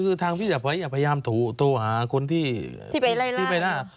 คือทางพิจารณาไฟพยายามโทรหาคนที่ไปร่าง